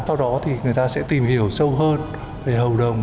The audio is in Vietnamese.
sau đó thì người ta sẽ tìm hiểu sâu hơn về hầu đồng